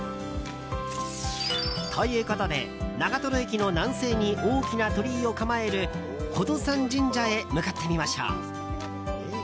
ということで、長瀞駅の南西に大きな鳥居を構える寶登山神社へ向かってみましょう。